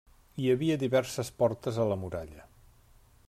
Hi havia diverses portes a la muralla.